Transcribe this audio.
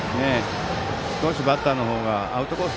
少しバッターの方がアウトコース